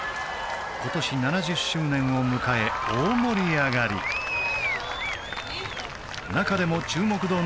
今年７０周年を迎え大盛り上がり中でも注目度